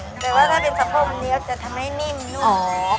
ซึ่งอย่างประกอบถ้าเป็นสะโพกเต้มเนี้ยจะทำให้นิ่มนู่นน่ะอ๋อ